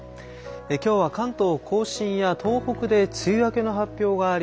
今日は関東甲信や東北で梅雨明けの発表があり。